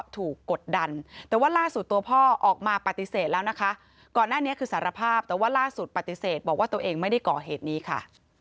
แต่ว่าล่าสุดปฏิเสธบอกว่าตัวเองไม่ได้เกาะเหตุนี้ค่ะ